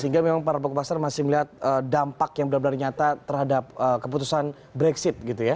sehingga memang para pokok pasar masih melihat dampak yang benar benar nyata terhadap keputusan brexit gitu ya